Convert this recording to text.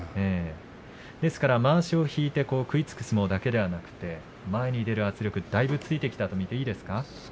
ですから、まわしを引いて食いつく相撲だけではなくて前に出る圧力だいぶついてきたと見ていいですか。